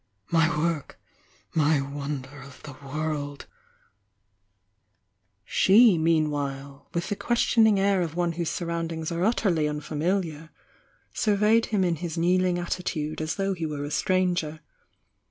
My work! My wonder of the "^^She", meanwhile, with the questioning air of one whose' surroundings are utterly un/a«^il}f; f "7;^^^ him in his kneehng attitude as though hej"ere a stonger.